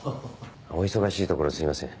お忙しいところすいません。